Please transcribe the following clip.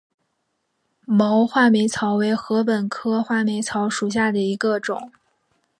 毛画眉草为禾本科画眉草属下的一个种。